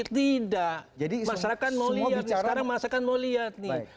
tidak masyarakat mau lihat sekarang masyarakat mau lihat nih